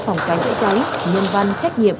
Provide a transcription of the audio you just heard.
phòng cháy chữa cháy nhân văn trách nhiệm